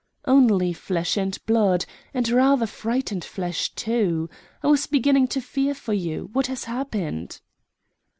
"Only flesh and blood and rather frightened flesh too. I was beginning to fear for you. What has happened?"